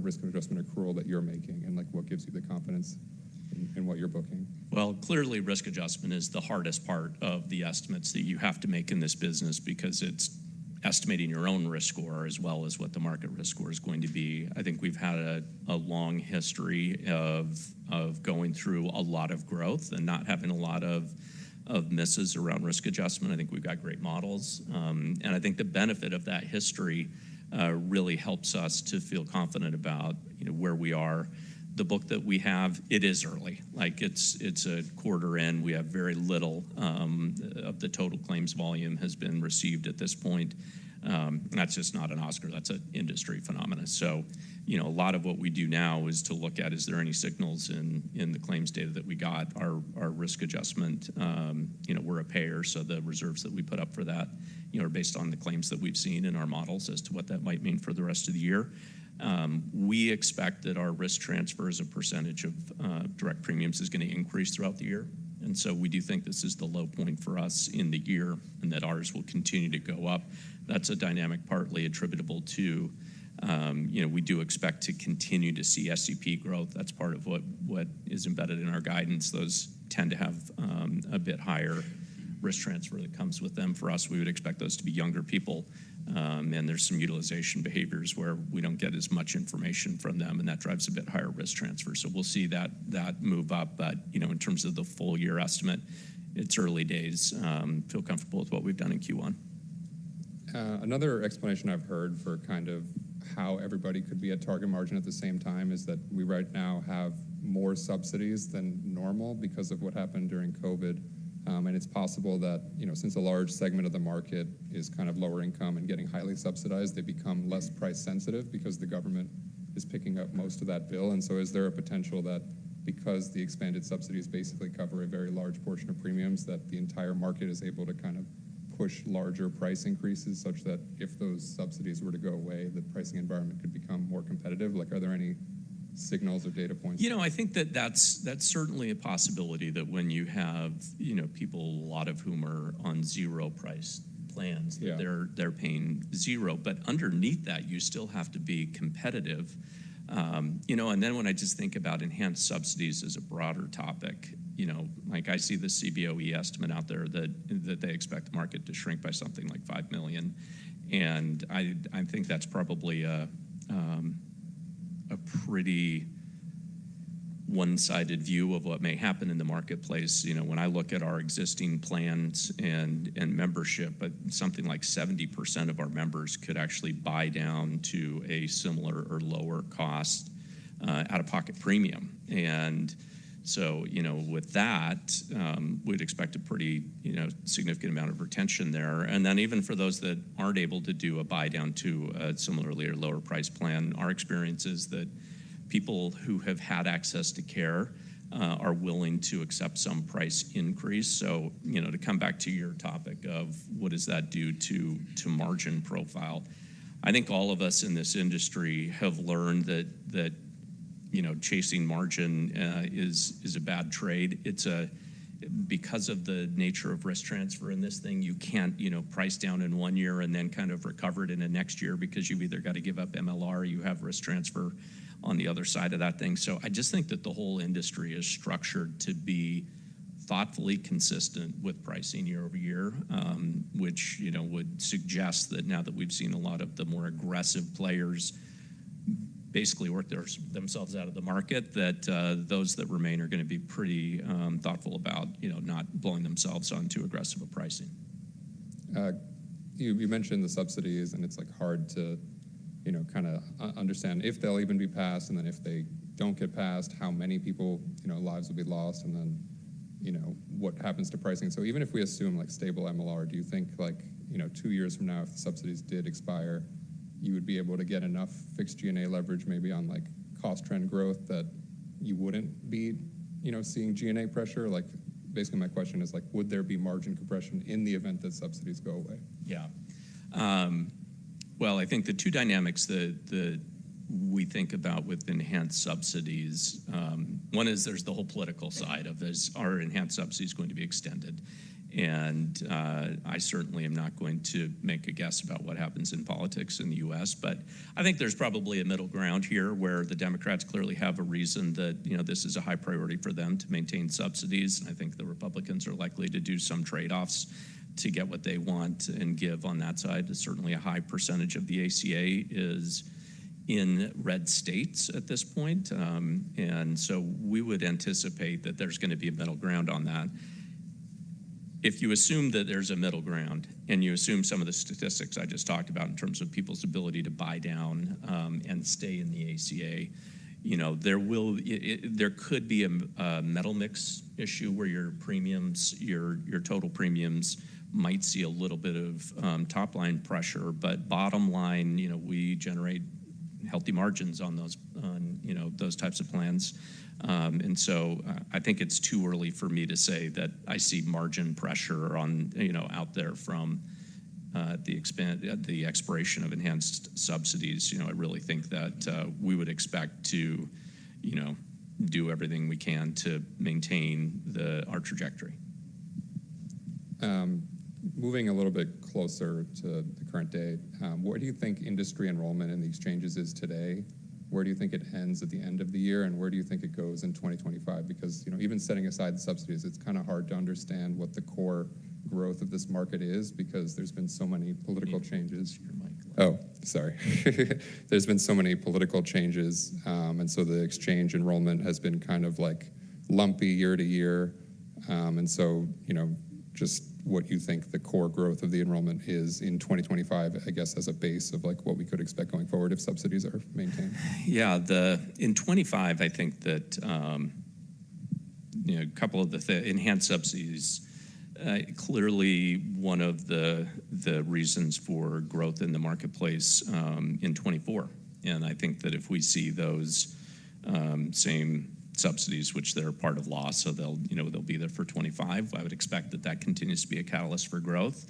Risk Adjustment accrual that you're making, and, like, what gives you the confidence in, in what you're booking? Well, clearly, risk adjustment is the hardest part of the estimates that you have to make in this business because it's estimating your own risk score as well as what the market risk score is going to be. I think we've had a long history of going through a lot of growth and not having a lot of misses around risk adjustment. I think we've got great models, and I think the benefit of that history really helps us to feel confident about, you know, where we are. The book that we have, it is early. Like, it's a quarter in, we have very little of the total claims volume has been received at this point. That's just not an Oscar, that's an industry phenomenon. So, you know, a lot of what we do now is to look at, is there any signals in the claims data that we got, our risk adjustment? You know, we're a payer, so the reserves that we put up for that, you know, are based on the claims that we've seen in our models as to what that might mean for the rest of the year. We expect that our risk transfer as a percentage of direct premiums is gonna increase throughout the year, and so we do think this is the low point for us in the year and that ours will continue to go up. That's a dynamic partly attributable to you know, we do expect to continue to see SEP growth. That's part of what is embedded in our guidance. Those tend to have a bit higher risk transfer that comes with them. For us, we would expect those to be younger people, and there's some utilization behaviors where we don't get as much information from them, and that drives a bit higher risk transfer. So we'll see that move up, but, you know, in terms of the full year estimate, it's early days. Feel comfortable with what we've done in Q1. Another explanation I've heard for kind of how everybody could be at target margin at the same time is that we right now have more subsidies than normal because of what happened during COVID, and it's possible that, you know, since a large segment of the market is kind of lower income and getting highly subsidized, they become less price-sensitive because the government is picking up most of that bill. And so is there a potential that because the expanded subsidies basically cover a very large portion of premiums, that the entire market is able to kind of push larger price increases, such that if those subsidies were to go away, the pricing environment could become more competitive? Like, are there any signals or data points? You know, I think that that's, that's certainly a possibility, that when you have, you know, people, a lot of whom are on zero-price plans- Yeah... they're, they're paying zero. But underneath that, you still have to be competitive. You know, and then when I just think about enhanced subsidies as a broader topic, you know, like, I see the CBO estimate out there that they expect the market to shrink by something like $5 million, and I think that's probably a pretty one-sided view of what may happen in the marketplace. You know, when I look at our existing plans and membership, but something like 70% of our members could actually buy down to a similar or lower cost out-of-pocket premium. And so, you know, with that, we'd expect a pretty, you know, significant amount of retention there. And then, even for those that aren't able to do a buy-down to a similarly or lower-price plan, our experience is that people who have had access to care are willing to accept some price increase. So, you know, to come back to your topic of what does that do to, to margin profile, I think all of us in this industry have learned that, you know, chasing margin is a bad trade. It's because of the nature of risk transfer in this thing, you can't, you know, price down in one year and then kind of recover it in the next year because you've either got to give up MLR, you have risk transfer on the other side of that thing. I just think that the whole industry is structured to be thoughtfully consistent with pricing year over year, which, you know, would suggest that now that we've seen a lot of the more aggressive players basically work themselves out of the market, that those that remain are gonna be pretty thoughtful about, you know, not blowing themselves on too aggressive a pricing. You mentioned the subsidies, and it's, like, hard to, you know, understand if they'll even be passed, and then if they don't get passed, how many people, you know, lives will be lost, and then, you know, what happens to pricing? So even if we assume, like, stable MLR, do you think, like, you know, two years from now, if the subsidies did expire, you would be able to get enough fixed G&A leverage maybe on, like, cost trend growth that you wouldn't be, you know, seeing G&A pressure? Like, basically, my question is, like, would there be margin compression in the event that subsidies go away? Yeah. Well, I think the two dynamics that we think about with enhanced subsidies, one is there's the whole political side of this, are enhanced subsidies going to be extended? And I certainly am not going to make a guess about what happens in politics in the U.S., but I think there's probably a middle ground here, where the Democrats clearly have a reason that, you know, this is a high priority for them to maintain subsidies. I think the Republicans are likely to do some trade-offs to get what they want and give on that side. Certainly, a high percentage of the ACA is in red states at this point, and so we would anticipate that there's gonna be a middle ground on that. If you assume that there's a middle ground, and you assume some of the statistics I just talked about in terms of people's ability to buy down, and stay in the ACA, you know, there could be a metal mix issue, where your premiums, your, your total premiums might see a little bit of top-line pressure. But bottom line, you know, we generate healthy margins on those, on, you know, those types of plans. And so I, I think it's too early for me to say that I see margin pressure on, you know, out there from the expiration of enhanced subsidies. You know, I really think that we would expect to, you know, do everything we can to maintain our trajectory.... moving a little bit closer to the current day, where do you think industry enrollment in the exchanges is today? Where do you think it ends at the end of the year, and where do you think it goes in 2025? Because, you know, even setting aside the subsidies, it's kinda hard to understand what the core growth of this market is because there's been so many political changes. Your mic low. Oh, sorry. There's been so many political changes, and so the exchange enrollment has been kind of, like, lumpy year to year. And so, you know, just what you think the core growth of the enrollment is in 2025, I guess, as a base of, like, what we could expect going forward if subsidies are maintained. Yeah, in 2025, I think that, you know, a couple of the enhanced subsidies clearly one of the reasons for growth in the marketplace in 2024. And I think that if we see those same subsidies, which they're part of law, so they'll, you know, they'll be there for 2025, I would expect that that continues to be a catalyst for growth.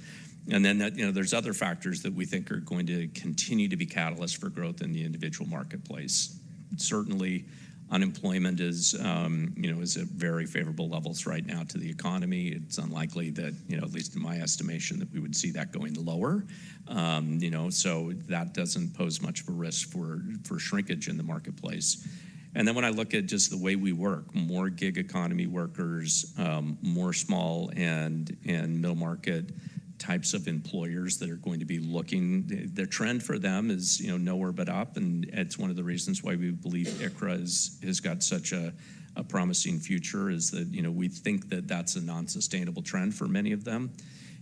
And then that, you know, there's other factors that we think are going to continue to be catalysts for growth in the individual marketplace. Certainly, unemployment is, you know, is at very favorable levels right now to the economy. It's unlikely that, you know, at least in my estimation, that we would see that going lower. You know, so that doesn't pose much of a risk for shrinkage in the marketplace. And then when I look at just the way we work, more gig economy workers, more small and middle market types of employers that are going to be looking. The trend for them is, you know, nowhere but up, and it's one of the reasons why we believe ICHRA has got such a promising future, is that, you know, we think that that's a non-sustainable trend for many of them,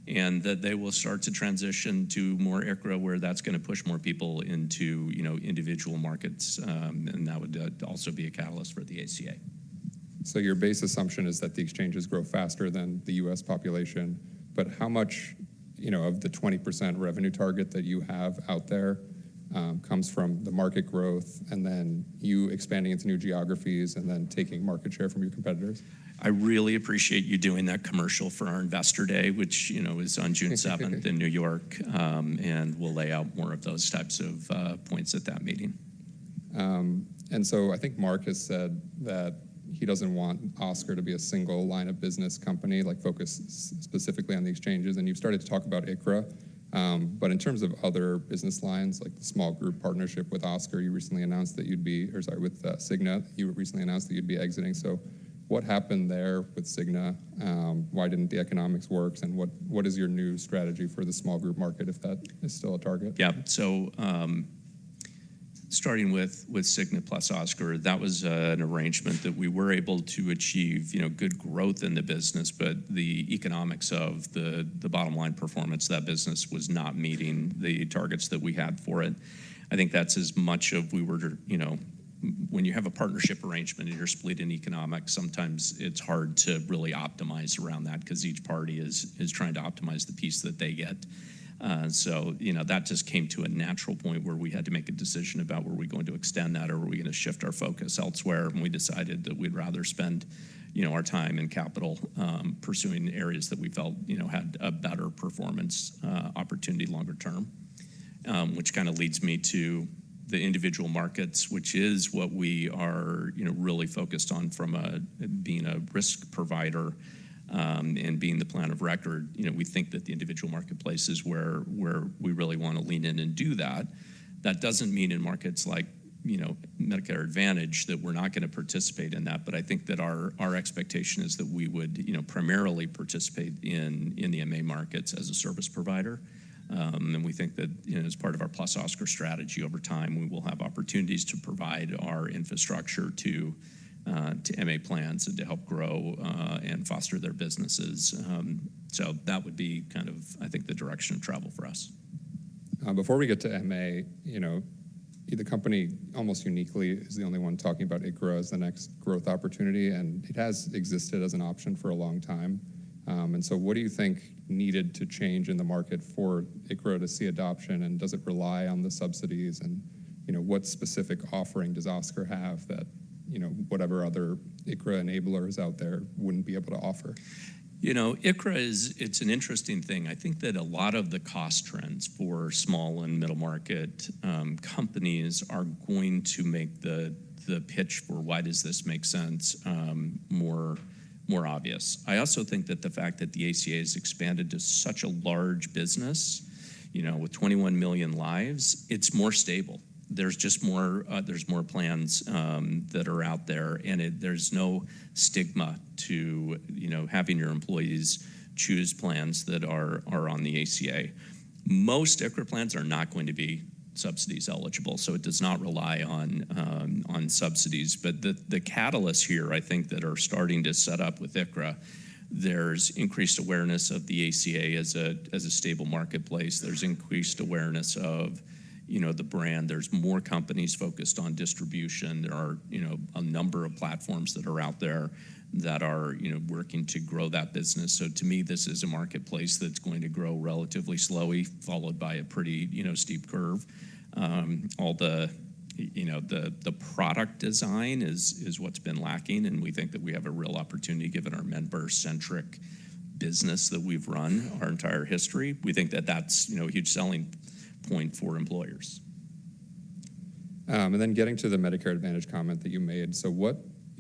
and that they will start to transition to more ICHRA, where that's gonna push more people into, you know, individual markets, and that would also be a catalyst for the ACA. So your base assumption is that the exchanges grow faster than the U.S. population, but how much, you know, of the 20% revenue target that you have out there comes from the market growth, and then you expanding into new geographies, and then taking market share from your competitors? I really appreciate you doing that commercial for our Investor Day, which, you know, is on June seventh in New York, and we'll lay out more of those types of points at that meeting. I think Mark has said that he doesn't want Oscar to be a single line of business company, like, focused specifically on the exchanges, and you've started to talk about ICHRA. But in terms of other business lines, like the small group partnership with Oscar, or sorry, with Cigna, you recently announced that you'd be exiting. So what happened there with Cigna? Why didn't the economics work, and what is your new strategy for the small group market, if that is still a target? Yeah. So, starting with Cigna + Oscar, that was an arrangement that we were able to achieve, you know, good growth in the business, but the economics of the bottom line performance, that business was not meeting the targets that we had for it. I think that's as much as we were, you know, when you have a partnership arrangement and you're split in economics, sometimes it's hard to really optimize around that, 'cause each party is trying to optimize the piece that they get. So, you know, that just came to a natural point where we had to make a decision about were we going to extend that or were we gonna shift our focus elsewhere, and we decided that we'd rather spend, you know, our time and capital, pursuing areas that we felt, you know, had a better performance opportunity longer term. Which kind of leads me to the individual markets, which is what we are, you know, really focused on from a being a risk provider, and being the plan of record. You know, we think that the individual marketplace is where, where we really want to lean in and do that. That doesn't mean in markets like, you know, Medicare Advantage, that we're not gonna participate in that, but I think that our, our expectation is that we would, you know, primarily participate in, in the MA markets as a service provider. And we think that, you know, as part of our +Oscar strategy, over time, we will have opportunities to provide our infrastructure to, to MA plans and to help grow, and foster their businesses. So that would be kind of, I think, the direction of travel for us. Before we get to MA, you know, the company, almost uniquely, is the only one talking about ICHRA as the next growth opportunity, and it has existed as an option for a long time. And so what do you think needed to change in the market for ICHRA to see adoption, and does it rely on the subsidies? And, you know, what specific offering does Oscar have that, you know, whatever other ICHRA enablers out there wouldn't be able to offer? You know, ICHRA is—it's an interesting thing. I think that a lot of the cost trends for small and middle market companies are going to make the pitch for why does this make sense, more obvious. I also think that the fact that the ACA has expanded to such a large business, you know, with 21 million lives, it's more stable. There's just more plans that are out there, and there's no stigma to, you know, having your employees choose plans that are on the ACA. Most ICHRA plans are not going to be subsidies eligible, so it does not rely on subsidies. But the catalysts here, I think, that are starting to set up with ICHRA, there's increased awareness of the ACA as a stable marketplace. There's increased awareness of, you know, the brand. There's more companies focused on distribution. There are, you know, a number of platforms that are out there that are, you know, working to grow that business. So to me, this is a marketplace that's going to grow relatively slowly, followed by a pretty, you know, steep curve. All the, you know, the product design is what's been lacking, and we think that we have a real opportunity, given our member-centric business that we've run our entire history. We think that that's, you know, a huge selling point for employers.... and then getting to the Medicare Advantage comment that you made. So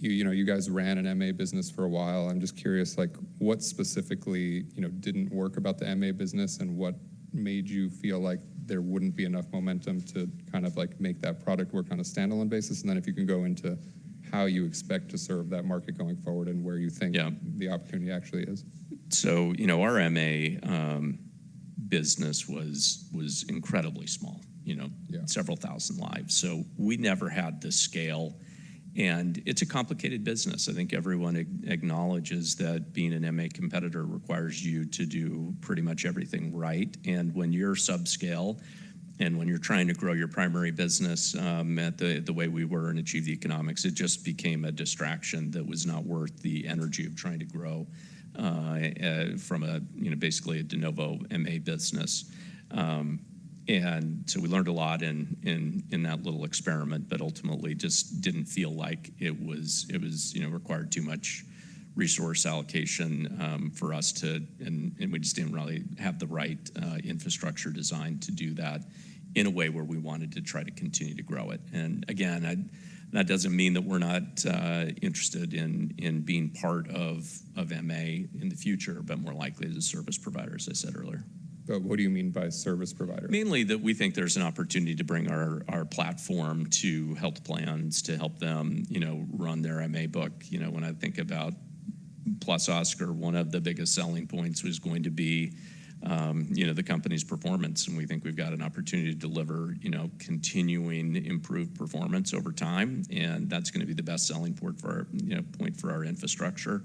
what, you know, you guys ran an MA business for a while. I'm just curious, like, what specifically, you know, didn't work about the MA business, and what made you feel like there wouldn't be enough momentum to kind of, like, make that product work on a standalone basis? And then if you can go into how you expect to serve that market going forward and where you think- Yeah the opportunity actually is. So, you know, our MA business was incredibly small, you know? Yeah. Several thousand lives, so we never had the scale, and it's a complicated business. I think everyone acknowledges that being an MA competitor requires you to do pretty much everything right. And when you're subscale and when you're trying to grow your primary business, at the way we were and achieve the economics, it just became a distraction that was not worth the energy of trying to grow, from a, you know, basically a de novo MA business. And so we learned a lot in that little experiment, but ultimately just didn't feel like it was, it was—you know, required too much resource allocation, for us to. And we just didn't really have the right infrastructure design to do that in a way where we wanted to try to continue to grow it. And again, that doesn't mean that we're not interested in being part of MA in the future, but more likely as a service provider, as I said earlier. But what do you mean by service provider? Mainly, that we think there's an opportunity to bring our platform to health plans to help them, you know, run their MA book. You know, when I think about +Oscar, one of the biggest selling points was going to be, you know, the company's performance, and we think we've got an opportunity to deliver, you know, continuing improved performance over time, and that's gonna be the best selling point for our, you know, point for our infrastructure.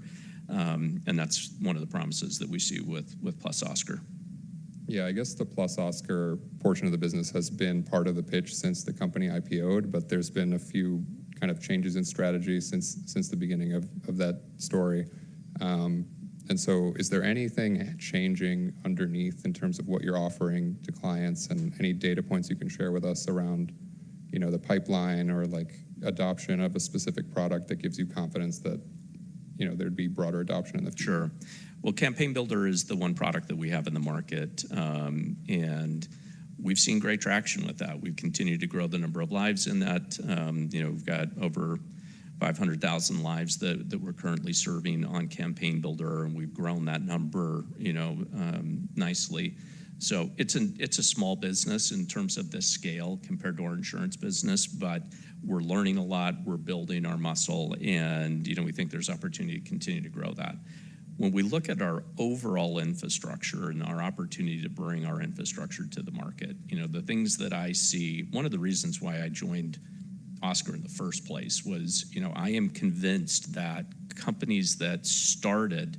And that's one of the promises that we see with +Oscar. Yeah, I guess the +Oscar portion of the business has been part of the pitch since the company IPO'd, but there's been a few kind of changes in strategy since the beginning of that story. And so is there anything changing underneath in terms of what you're offering to clients and any data points you can share with us around, you know, the pipeline or, like, adoption of a specific product that gives you confidence that, you know, there'd be broader adoption in the future? Sure. Well, Campaign Builder is the one product that we have in the market, and we've seen great traction with that. We've continued to grow the number of lives in that. You know, we've got over 500,000 lives that we're currently serving on Campaign Builder, and we've grown that number, you know, nicely. So it's a small business in terms of the scale compared to our insurance business, but we're learning a lot, we're building our muscle, and, you know, we think there's opportunity to continue to grow that. When we look at our overall infrastructure and our opportunity to bring our infrastructure to the market, you know, the things that I see. One of the reasons why I joined Oscar in the first place was, you know, I am convinced that companies that started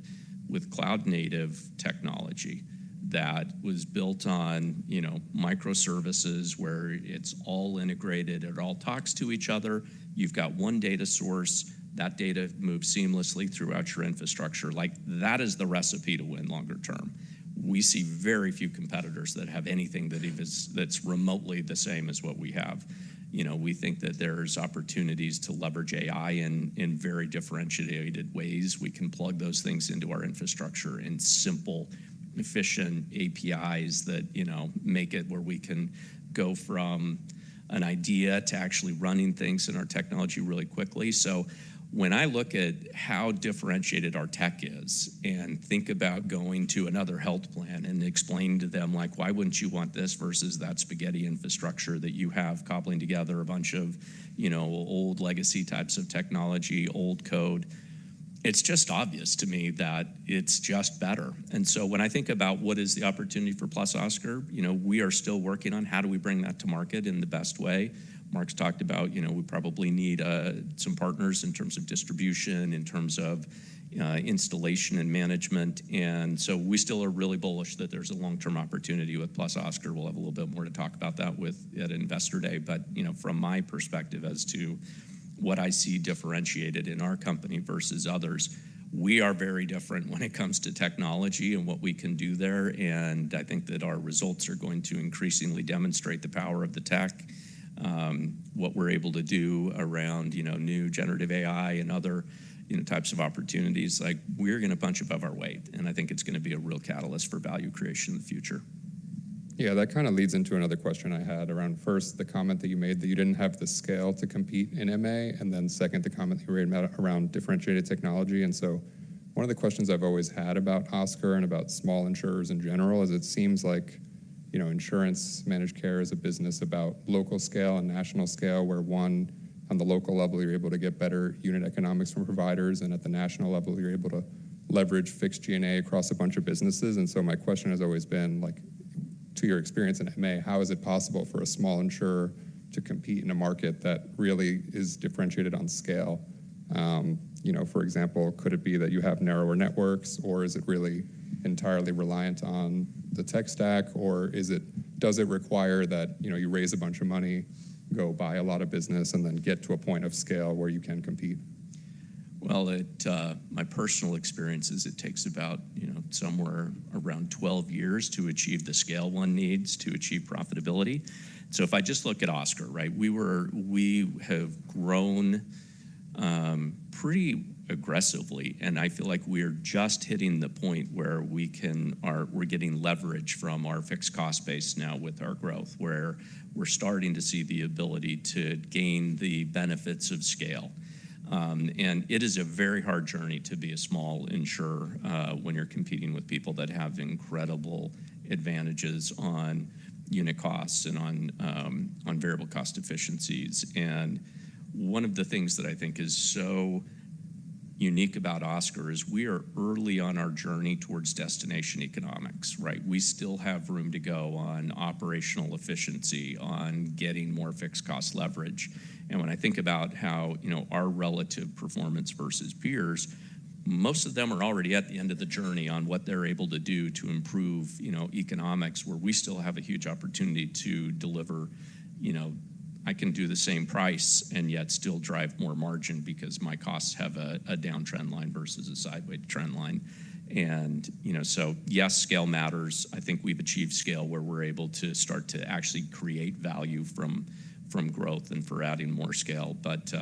with cloud-native technology that was built on, you know, microservices, where it's all integrated, it all talks to each other, you've got one data source, that data moves seamlessly throughout your infrastructure, like, that is the recipe to win longer term. We see very few competitors that have anything that even is, that's remotely the same as what we have. You know, we think that there's opportunities to leverage AI in, in very differentiated ways. We can plug those things into our infrastructure in simple, efficient APIs that, you know, make it where we can go from an idea to actually running things in our technology really quickly. So when I look at how differentiated our tech is, and think about going to another health plan and explaining to them, like: "Why wouldn't you want this versus that spaghetti infrastructure that you have, cobbling together a bunch of, you know, old legacy types of technology, old code?" It's just obvious to me that it's just better. And so when I think about what is the opportunity for +Oscar, you know, we are still working on how do we bring that to market in the best way. Mark's talked about, you know, we probably need some partners in terms of distribution, in terms of installation and management, and so we still are really bullish that there's a long-term opportunity with +Oscar. We'll have a little bit more to talk about that with at Investor Day. But, you know, from my perspective as to what I see differentiated in our company versus others, we are very different when it comes to technology and what we can do there, and I think that our results are going to increasingly demonstrate the power of the tech, what we're able to do around, you know, new generative AI and other, you know, types of opportunities. Like, we're gonna punch above our weight, and I think it's gonna be a real catalyst for value creation in the future. Yeah, that kind of leads into another question I had around, first, the comment that you made that you didn't have the scale to compete in MA, and then second, the comment you made around differentiated technology. And so one of the questions I've always had about Oscar and about small insurers in general is, it seems like, you know, insurance managed care is a business about local scale and national scale, where, one, on the local level, you're able to get better unit economics from providers, and at the national level, you're able to leverage fixed G&A across a bunch of businesses. And so my question has always been, like: to your experience in MA, how is it possible for a small insurer to compete in a market that really is differentiated on scale? You know, for example, could it be that you have narrower networks, or is it really entirely reliant on the tech stack, or is it, does it require that, you know, you raise a bunch of money, go buy a lot of business, and then get to a point of scale where you can compete? Well, my personal experience is it takes about, you know, somewhere around 12 years to achieve the scale one needs to achieve profitability. So if I just look at Oscar, right, we have grown pretty aggressively, and I feel like we're just hitting the point where we're getting leverage from our fixed cost base now with our growth, where we're starting to see the ability to gain the benefits of scale. And it is a very hard journey to be a small insurer, when you're competing with people that have incredible advantages on unit costs and on variable cost efficiencies. And one of the things that I think is so unique about Oscar is we are early on our journey towards destination economics, right? We still have room to go on operational efficiency, on getting more fixed cost leverage. And when I think about how, you know, our relative performance versus peers, most of them are already at the end of the journey on what they're able to do to improve, you know, economics, where we still have a huge opportunity to deliver. You know, I can do the same price and yet still drive more margin because my costs have a downtrend line versus a sideways trend line. And, you know, so yes, scale matters. I think we've achieved scale where we're able to start to actually create value from growth and for adding more scale. But,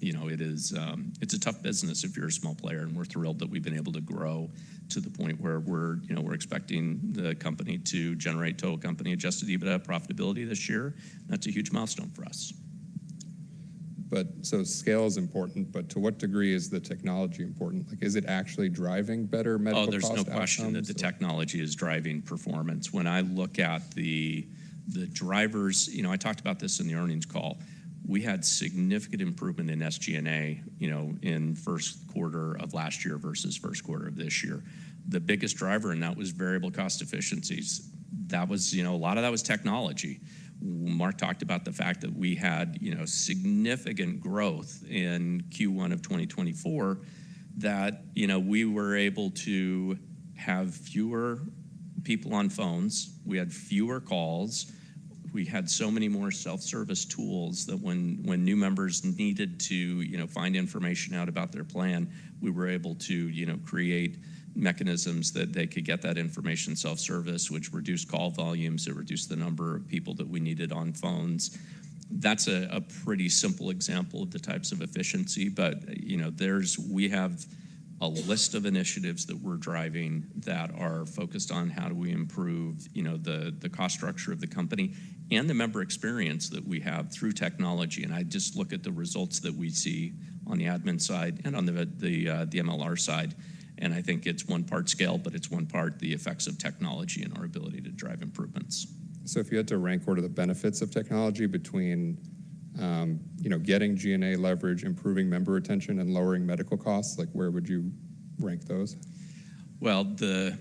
you know, it is... It's a tough business if you're a small player, and we're thrilled that we've been able to grow to the point where we're, you know, we're expecting the company to generate Total Company Adjusted EBITDA profitability this year. That's a huge milestone for us. But so scale is important, but to what degree is the technology important? Like, is it actually driving better medical cost outcomes or- Oh, there's no question that the technology is driving performance. When I look at the drivers, you know, I talked about this in the earnings call. We had significant improvement in SG&A, you know, in first quarter of last year versus first quarter of this year. The biggest driver, and that was variable cost efficiencies. That was, you know, a lot of that was technology. Mark talked about the fact that we had, you know, significant growth in Q1 of 2024, that, you know, we were able to have fewer people on phones. We had fewer calls. We had so many more self-service tools that when new members needed to, you know, find information out about their plan, we were able to, you know, create mechanisms that they could get that information self-service, which reduced call volumes, it reduced the number of people that we needed on phones. That's a pretty simple example of the types of efficiency, but, you know, we have a list of initiatives that we're driving that are focused on: how do we improve, you know, the cost structure of the company and the member experience that we have through technology? And I just look at the results that we see on the admin side and on the MLR side, and I think it's one part scale, but it's one part the effects of technology and our ability to drive improvements. So if you had to rank order the benefits of technology between, you know, getting G&A leverage, improving member retention, and lowering medical costs, like, where would you rank those? Well, the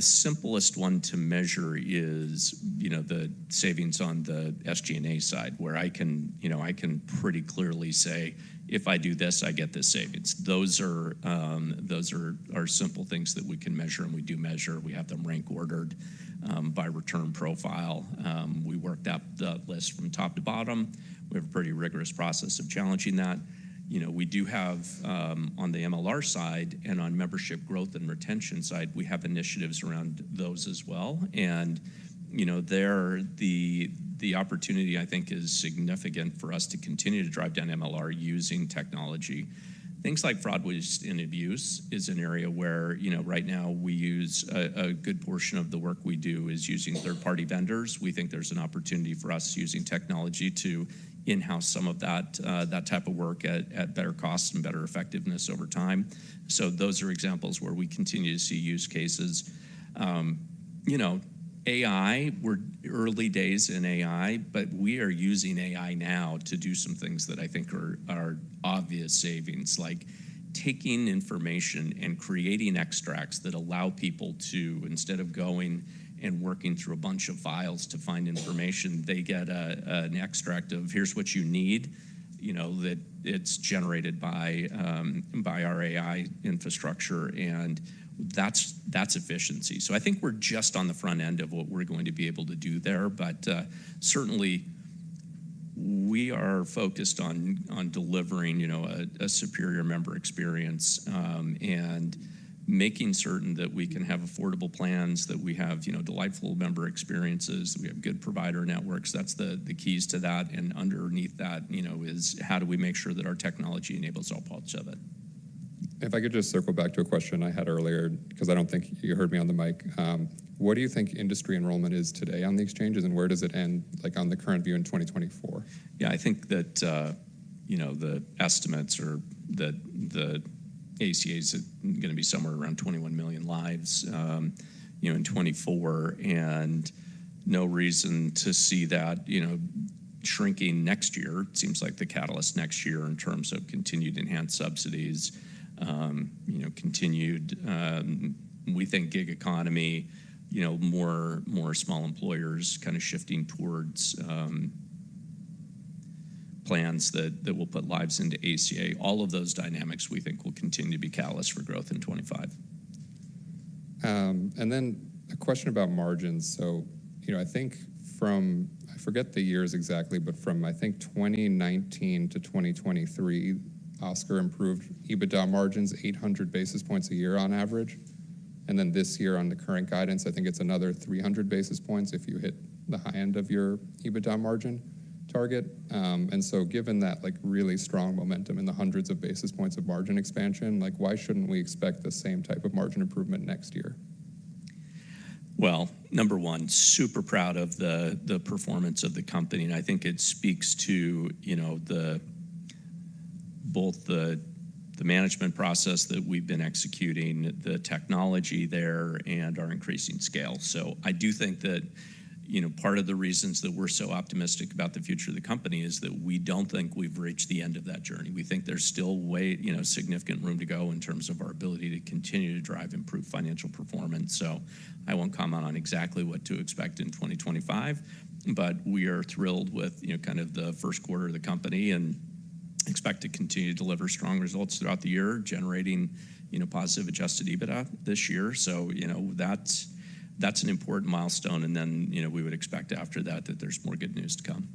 simplest one to measure is, you know, the savings on the SG&A side, where I can, you know, I can pretty clearly say, "If I do this, I get this savings." Those are simple things that we can measure, and we do measure. We have them rank ordered by return profile. We worked up the list from top to bottom. We have a pretty rigorous process of challenging that. You know, we do have on the MLR side and on membership growth and retention side, we have initiatives around those as well. And, you know, the opportunity, I think, is significant for us to continue to drive down MLR using technology. Things like fraud, waste, and abuse is an area where, you know, right now, we use a good portion of the work we do is using third-party vendors. We think there's an opportunity for us using technology to in-house some of that type of work at better costs and better effectiveness over time. So those are examples where we continue to see use cases. You know, AI, we're early days in AI, but we are using AI now to do some things that I think are obvious savings, like taking information and creating extracts that allow people to, instead of going and working through a bunch of files to find information, they get an extract of, "Here's what you need," you know, that it's generated by our AI infrastructure, and that's efficiency. So I think we're just on the front end of what we're going to be able to do there, but certainly, we are focused on delivering, you know, a superior member experience, and making certain that we can have affordable plans, that we have, you know, delightful member experiences, that we have good provider networks. That's the keys to that, and underneath that, you know, is: how do we make sure that our technology enables all parts of it? If I could just circle back to a question I had earlier, 'cause I don't think you heard me on the mic: What do you think industry enrollment is today on the exchanges, and where does it end, like, on the current view in 2024? Yeah, I think that, you know, the estimates are that the ACA is gonna be somewhere around 21 million lives, you know, in 2024, and no reason to see that, you know, shrinking next year. Seems like the catalyst next year in terms of continued enhanced subsidies, you know, continued... we think gig economy, you know, more, more small employers kind of shifting towards, plans that, that will put lives into ACA. All of those dynamics, we think, will continue to be catalyst for growth in 2025. And then a question about margins. So, you know, I think from—I forget the years exactly, but from I think 2019-2023, Oscar improved EBITDA margins 800 basis points a year on average? And then this year, on the current guidance, I think it's another 300 basis points if you hit the high end of your EBITDA margin target. And so given that, like, really strong momentum in the hundreds of basis points of margin expansion, like, why shouldn't we expect the same type of margin improvement next year? Well, number one, super proud of the performance of the company, and I think it speaks to, you know, both the management process that we've been executing, the technology there, and our increasing scale. So I do think that, you know, part of the reasons that we're so optimistic about the future of the company is that we don't think we've reached the end of that journey. We think there's still way, you know, significant room to go in terms of our ability to continue to drive improved financial performance. So I won't comment on exactly what to expect in 2025, but we are thrilled with, you know, kind of the first quarter of the company and expect to continue to deliver strong results throughout the year, generating, you know, positive Adjusted EBITDA this year. You know, that's an important milestone, and then, you know, we would expect after that, that there's more good news to come.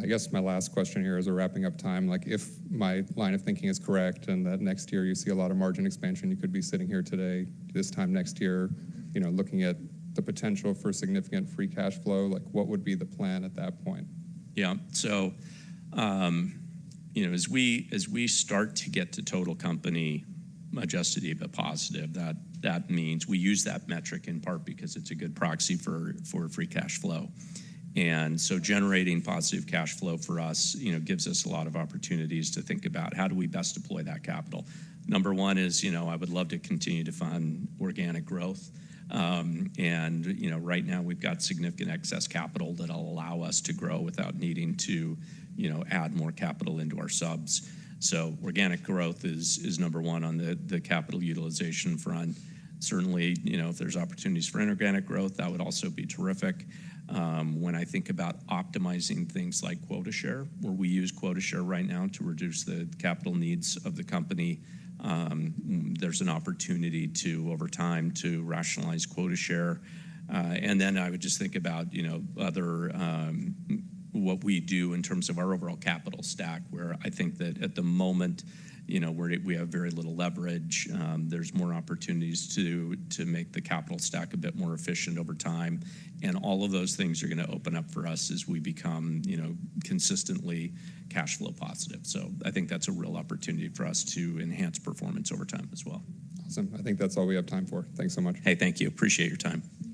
I guess my last question here, as we're wrapping up time, like, if my line of thinking is correct and that next year you see a lot of margin expansion, you could be sitting here today, this time next year, you know, looking at the potential for significant free cash flow. Like, what would be the plan at that point? Yeah. So, you know, as we start to get to total company Adjusted EBITDA positive, that means we use that metric in part because it's a good proxy for free cash flow. And so generating positive cash flow for us, you know, gives us a lot of opportunities to think about: How do we best deploy that capital? Number one is, you know, I would love to continue to fund organic growth. And, you know, right now we've got significant excess capital that'll allow us to grow without needing to, you know, add more capital into our subs. So organic growth is number one on the capital utilization front. Certainly, you know, if there's opportunities for inorganic growth, that would also be terrific. When I think about optimizing things like quota share, where we use quota share right now to reduce the capital needs of the company, there's an opportunity to, over time, to rationalize quota share. And then I would just think about, you know, other, what we do in terms of our overall capital stack, where I think that at the moment, you know, we have very little leverage. There's more opportunities to make the capital stack a bit more efficient over time, and all of those things are gonna open up for us as we become, you know, consistently cash flow positive. So I think that's a real opportunity for us to enhance performance over time as well. Awesome. I think that's all we have time for. Thanks so much. Hey, thank you. Appreciate your time.